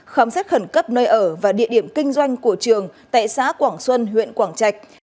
khám xét khẩn cấp nơi ở và địa điểm kinh doanh của trường tại xã quảng xuân huyện quảng trạch